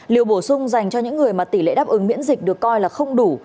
liều bổ sung dành cho những người mà tỷ lệ đáp ứng miễn dịch được coi là không đủ